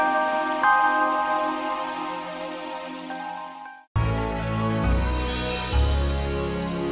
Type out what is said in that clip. sampai jumpa lagi